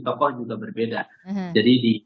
tokoh juga berbeda jadi di